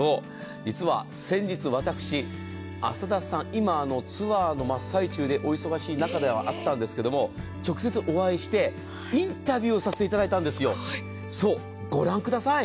実は先日、私、浅田さん、今ツアーの真っ最中でお忙しい中ではあったんですけれども、直接お会いしてインタビューさせていただいたんですよ、ご覧ください。